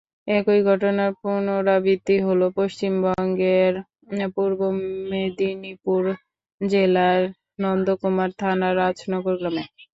একই ঘটনার পুনরাবৃত্তি হলো পশ্চিমবঙ্গের পূর্ব মেদিনীপুর জেলার নন্দকুমার থানার রাজনগর গ্রামে।